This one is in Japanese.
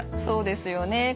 そうですよね。